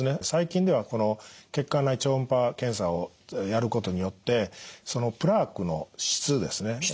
最近ではこの血管内超音波検査をやることによってそのプラークの質ですね